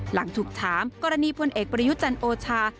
หลังถูกถามกรณีพลเอกประยุจันทร์โอชา